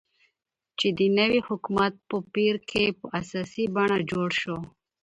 چې د نوي حكومت په پير كې په اساسي بڼه جوړ شو،